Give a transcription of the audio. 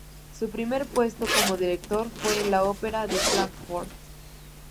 Su primer puesto como director fue en la Ópera de Fráncfort.